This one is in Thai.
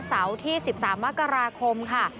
เสาร์ที่๑๓มกราคมค่ะ